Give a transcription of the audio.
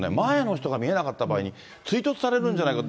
前の人が見えなかった場合に、追突されるんじゃないか。